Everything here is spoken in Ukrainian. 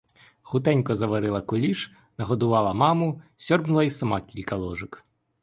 Хутенько зварила куліш, нагодувала маму, сьорбнула й сама кілька ложок.